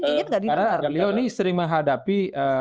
karena agarlio ini sering menghadapi